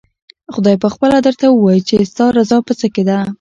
خدای پخپله درته ووايي چې ستا رضا په څه کې ده؟